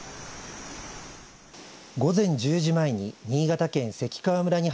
午前１０時前に新潟県関川村に